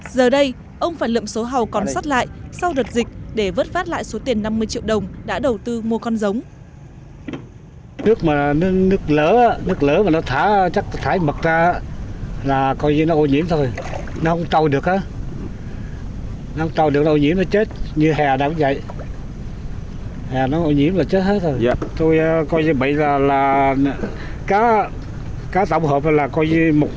giờ đây ông phải lượm số hào còn sắt lại sau đợt dịch để vớt phát lại số tiền năm mươi triệu đồng đã đầu tư mua con giống